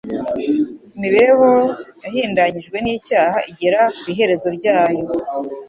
Imibereho yahindanyijwe n'icyaha igera ku iherezo ryayo.